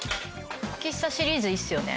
喫茶シリーズいいっすよね。